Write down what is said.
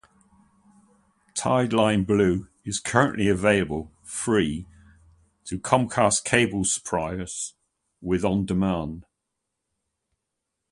"Tide-Line Blue" is currently available free to Comcast cable subscribers with On Demand.